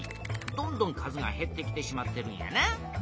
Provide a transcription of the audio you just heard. どんどん数がへってきてしまってるんやな。